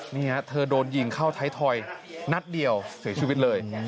นี่ฮะเธอโดนยิงเข้าไทยทอยนัดเดียวเสียชีวิตเลย